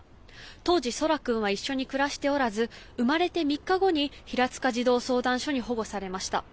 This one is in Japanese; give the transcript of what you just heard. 当時、空来君は一緒に暮らしておらず生まれて３日後に平塚児童相談所に保護されました。